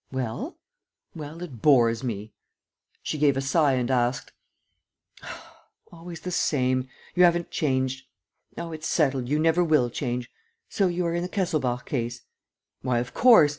"Well?" "Well, it bores me." She gave a sigh and asked: "Always the same. ... You haven't changed. ... Oh, it's settled, you never will change. ... So you are in the Kesselbach case?" "Why, of course!